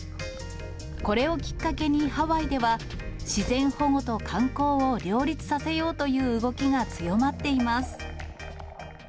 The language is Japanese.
これをきっかけに、ハワイでは自然保護と観光を両立させようという動きが強まっています。